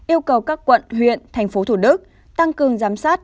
yêu cầu các quận huyện thành phố thủ đức tăng cường giám sát